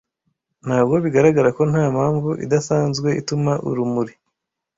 Ntabwo bigaragara ko nta mpamvu idasanzwe ituma urumuri